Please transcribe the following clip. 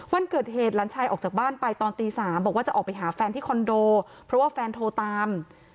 วันเกิดเหตุหลานชายออกจากบ้านไปตอนตี๓บอกว่าจะออกไปหาแฟนที่คอนโดเพราะว่าแฟนโทรตาม